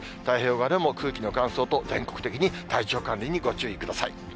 太平洋側でも空気の乾燥と、全国的に体調管理にご注意ください。